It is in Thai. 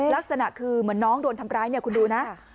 ลักษณะคือเหมือนโน้งโดนทำร้ายคุณดูนี้นะ